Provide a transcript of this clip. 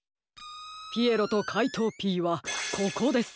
ピエロとかいとうＰはここです！